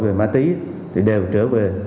về ma túy đều trở về